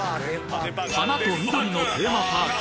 花と緑のテーマパーク